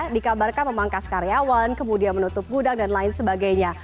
dikabarkan memangkas karyawan kemudian menutup gudang dan lain sebagainya